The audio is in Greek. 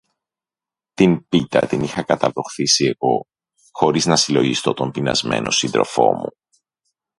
Την πίτα την είχα καταβροχθίσει εγώ, χωρίς να συλλογιστώ τον πεινασμένο σύντροφο μου